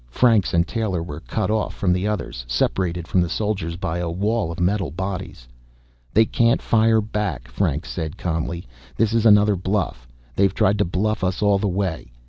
Franks and Taylor were cut off from the others, separated from the soldiers by a wall of metal bodies. "They can't fire back," Franks said calmly. "This is another bluff. They've tried to bluff us all the way."